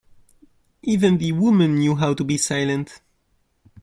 Even the women knew how to be silent.